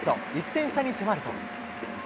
１点差に迫ると。